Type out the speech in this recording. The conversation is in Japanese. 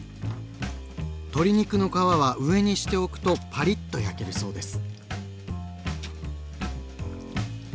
鶏肉の皮は上にしておくとパリッと焼けるそうです。